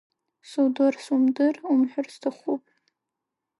Судыр сумдыр, умҳәыр сҭахуп!